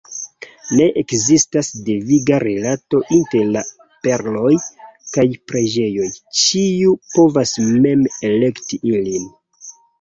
Ne ekzistas deviga rilato inter la perloj kaj preĝoj, ĉiu povas mem elekti ilin.